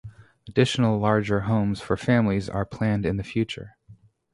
Additional larger homes for families are planned in the future.